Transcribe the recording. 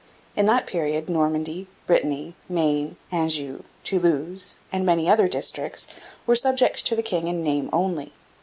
In that period Normandy, Brittany, Maine, Anjou, Toulouse, and many other districts, were subject to the king in name only.